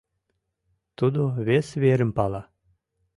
— Тудо вес верым пала.